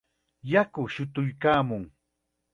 Yaku shutuykaamun.